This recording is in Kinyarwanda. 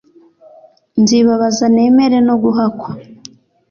Nzibabaza nemere no guhakwa